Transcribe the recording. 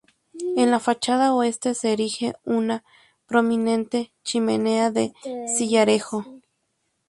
En la fachada oeste se erige una prominente chimenea de sillarejo.